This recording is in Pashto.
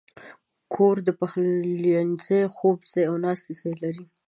کور د پخلنځي، خوب ځای، او ناستې ځای لري.